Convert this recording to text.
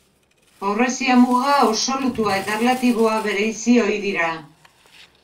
Pobrezia-muga absolutua eta erlatiboa bereizi ohi dira.